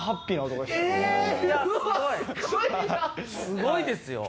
すごいですよ。